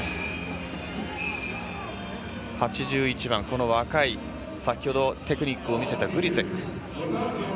８１番、若い先ほどテクニックを見せたグリツュック。